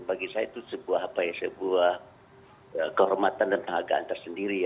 bagi saya itu sebuah apa ya sebuah kehormatan dan kehargaan tersendiri ya